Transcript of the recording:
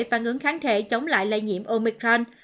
phản ứng kháng thể chống lại lây nhiễm omicron